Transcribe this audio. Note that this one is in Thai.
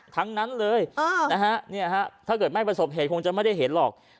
ทั้งนั้นเลยถ้าเกิดไม่ประสบเหตุคงจะไม่ได้เห็นหรอก